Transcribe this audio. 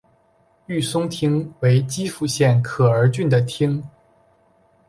御嵩町为岐阜县可儿郡的町。